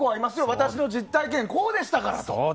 私の実体験、こうでしたからと。